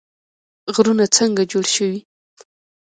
غرونه څنګه جوړ شوي؟